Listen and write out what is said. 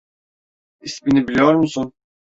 İsmini biliyor musun?